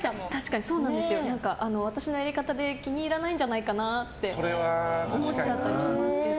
私のやり方で気に入らないんじゃないかなって思っちゃったりしますけどね。